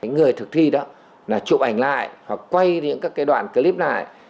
người thực thi đó là chụp ảnh lại hoặc quay những các cái đoạn clip này